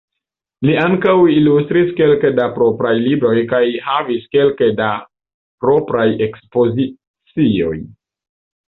Li ankaŭ ilustris kelke da propraj libroj kaj havis kelke da propraj ekspozicioj.